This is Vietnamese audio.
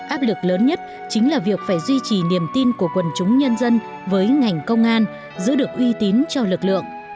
áp lực lớn nhất chính là việc phải duy trì niềm tin của quần chúng nhân dân với ngành công an giữ được uy tín cho lực lượng